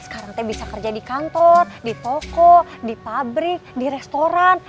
iya emak sekarang teh bisa kerja di kantor di toko di pabrik di restoran